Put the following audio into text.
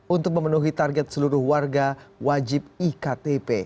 untuk memenuhi target seluruh warga wajib iktp